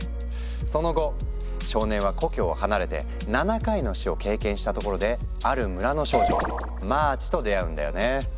その後少年は故郷を離れて７回の「死」を経験したところである村の少女マーチと出会うんだよね。